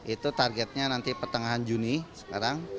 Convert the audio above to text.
itu targetnya nanti pertengahan juni sekarang